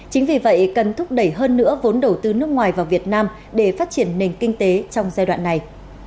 chính vì vậy cần thúc đẩy hơn nữa vốn đầu tư nước ngoài vào việt nam để phát triển nền kinh tế trong giai đoạn này